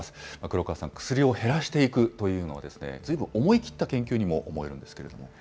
黒川さん、薬を減らしていくというのは、ずいぶん思い切った研究にも思えるんですけども。